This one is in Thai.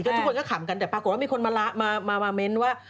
ทุกคนก็ขำกันแต่ปรากฏว่ามีคนมาเม้นว่า